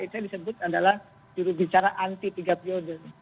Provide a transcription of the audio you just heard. saya disebut adalah juri bicara anti tiga periode